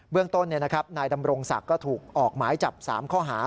เรื่องต้นนายดำรงศักดิ์ก็ถูกออกหมายจับ๓ข้อหา